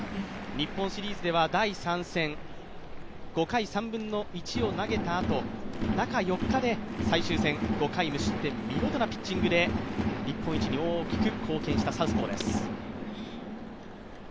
日本シリーズでは第３戦、５回３分の１を投げたあと、中４日で最終戦、５回無失点見事なピッチングで日本一に大きく貢献したサウスポーです。